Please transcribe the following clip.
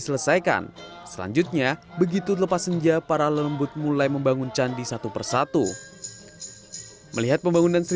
selesaikan selanjutnya begitu lepas senja para lembut mulai membangun candi satu persatu melihat pembangunan